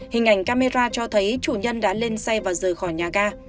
hình ảnh camera cho thấy chủ nhân đã lên xe và rời khỏi nhà ga